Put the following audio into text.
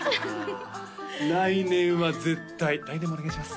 来年は絶対来年もお願いします